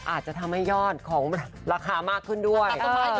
อาจจะทำให้ยอดของราคามากขึ้นด้วย